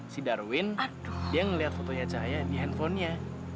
si darwin dia ngeliat fotonya cahaya di handphonenya